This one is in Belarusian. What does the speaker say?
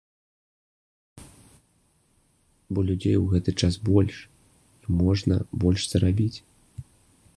Бо людзей у гэты час больш, і можна больш зарабіць.